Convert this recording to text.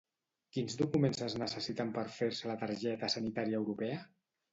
Quins documents es necessiten per fer-se la targeta sanitària europea?